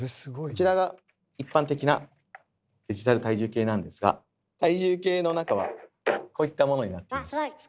こちらが一般的なデジタル体重計なんですが体重計の中はこういったものになっています。